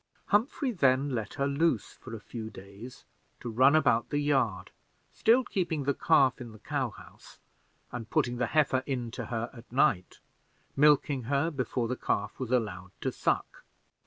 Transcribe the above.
Humphrey then let her loose for a few days to run about the yard, still keeping the calf in the cow house, and putting the heifer in to her at night, milking her before the calf was allowed to suck.